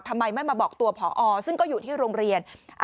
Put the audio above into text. ทำไมไม่มาบอกตัวผอซึ่งก็อยู่ที่โรงเรียน